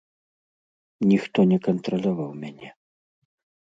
Ніхто не кантраляваў мяне.